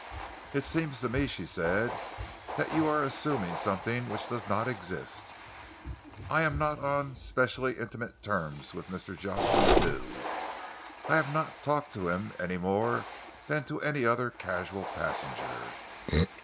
"It seems to me," she said, "that you are assuming something which does not exist. I am not on specially intimate terms with Mr. Jocelyn Thew. I have not talked to him any more than to any other casual passenger."